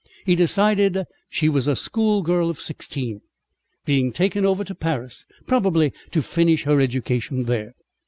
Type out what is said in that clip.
He decided that she was a schoolgirl of sixteen, being taken over to Paris, probably to finish her education there.